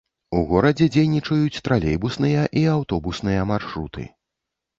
У горадзе дзейнічаюць тралейбусныя і аўтобусныя маршруты.